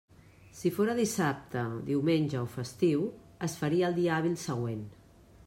Si fóra dissabte, diumenge o festiu, es faria el dia hàbil següent.